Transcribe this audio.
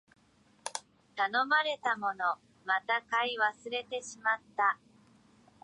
頼まれたもの、また買い忘れてしまった